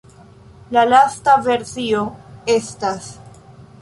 La lasta versio estas.